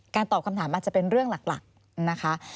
ตอบคำถามอาจจะเป็นเรื่องหลักนะคะ